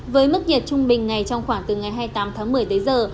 với mức nhiệt trung bình ngày trong khoảng từ ngày hai mươi tám tháng một mươi tới giờ